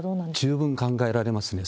十分考えられますね。